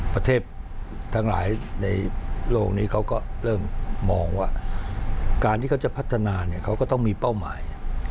ประเทศทั้งหลายในโลกนี้เขาก็เริ่มมองว่าการที่เขาจะพัฒนาเนี่ยเขาก็ต้องมีเป้าหมาย